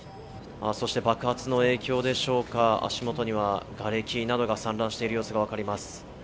爆発の影響でしょうか、足元にはがれきなどが散乱している様子がわかります。